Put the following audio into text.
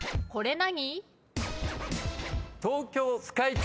これ何？